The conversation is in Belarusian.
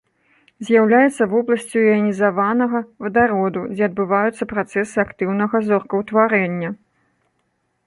З'яўляецца вобласцю іанізаванага вадароду, дзе адбываюцца працэсы актыўнага зоркаўтварэння.